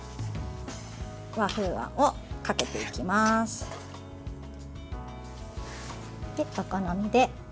和風あんをかけていきます。